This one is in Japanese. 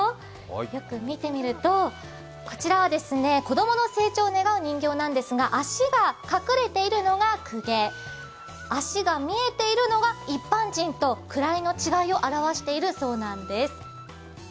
よく見てみると、こちらは子供の成長を願う人形なんですが足が隠れているのが公家、足が見えているのが一般人と位の違いを表しているそうなんです。